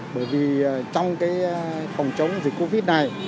bởi vì trong cái phòng chống dịch covid này